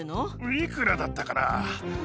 いくらだったかなぁ？